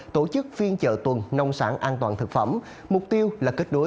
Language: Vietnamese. tổ chức phiên chợ tuần nông sản an toàn thực phẩm mục tiêu là kết nối